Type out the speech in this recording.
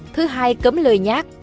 thứ hai cấm lời nhát